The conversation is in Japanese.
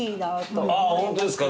ああホントですか？